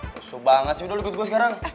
susu banget sih udah ikut gue sekarang